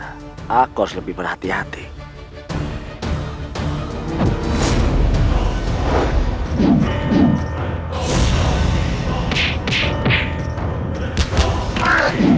apakah berué untuk anak untuk paham